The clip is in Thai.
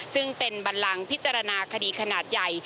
ซึ่งเป็นบันลังพิจารณาคดีขนาดใหญ่